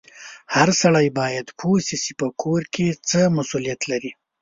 هر سړی باید پوه سي چې په کور کې څه مسولیت لري